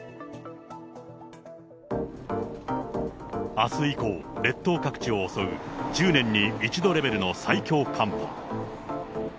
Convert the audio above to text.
あす以降、列島各地を襲う１０年に一度レベルの最強寒波。